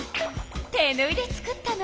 手ぬいで作ったの。